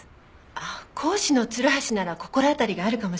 あっ講師の鶴橋なら心当たりがあるかもしれません。